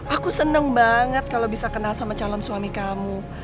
aku senang banget kalau bisa kenal sama calon suami kamu